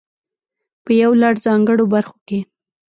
په يو لړ ځانګړو برخو کې.